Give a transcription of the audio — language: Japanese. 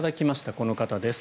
この方です。